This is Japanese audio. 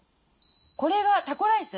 これがタコライス。